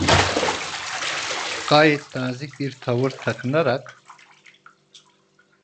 Gayet nazik bir tavır takınarak: